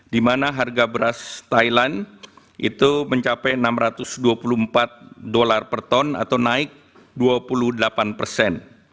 di mana harga beras thailand itu mencapai enam ratus dua puluh empat dolar per ton atau naik dua puluh delapan persen